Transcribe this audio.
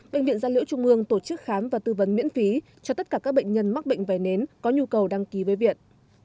bệnh viện gia liễu trung ương tổ chức khám và tư vấn miễn phí cho tất cả các bệnh nhân mắc bệnh vẩy nến có nhu cầu đăng ký với viện